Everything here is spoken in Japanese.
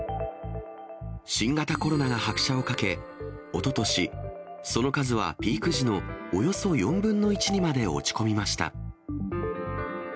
新型コロナが拍車をかけ、おととし、その数はピーク時のおよそ４分の１にまで落ち込みました。